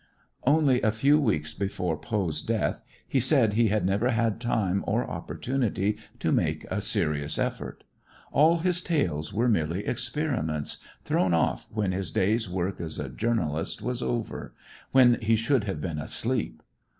Only a few weeks before Poe's death he said he had never had time or opportunity to make a serious effort. All his tales were merely experiments, thrown off when his day's work as a journalist was over, when he should have been asleep.